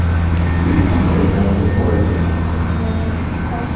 Quindi col mondo fuori dall'acqua.